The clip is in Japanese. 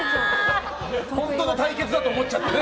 本当の対決だと思っちゃってね。